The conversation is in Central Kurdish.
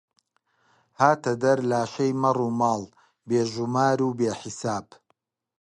هاتە دەر لاشەی مەڕوماڵ، بێ ژومار و بێ حیساب